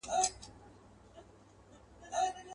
په شا کړی یې رنځور پلار لکه مړی.